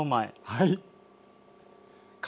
はい。